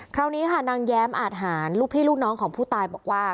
คราวนี้ค่ะนางแย้มอาทหารลูกพี่ลูกน้องของผู้ตายบอกว่า